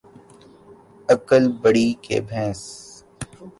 عقل بڑی کہ بھینس